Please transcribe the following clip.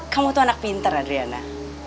kamu tuh anak pintar adriana